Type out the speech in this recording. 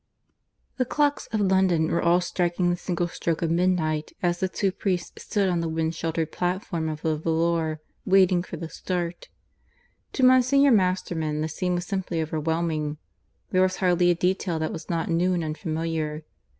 (II) The clocks of London were all striking the single stroke of midnight as the two priests stood on the wind sheltered platform of the volor, waiting for the start. To Monsignor Masterman the scene was simply overwhelming. There was hardly a detail that was not new and unfamiliar.